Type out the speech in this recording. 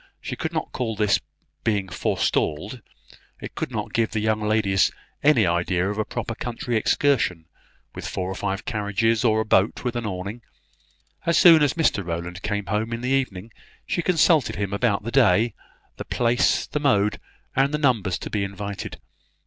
She could not call this being forestalled; it could not give the young ladies any idea of a proper country excursion, with four or five carriages, or a boat with an awning. As soon as Mr Rowland came home in the evening, she consulted him about the day, the place, the mode, and the numbers to be invited.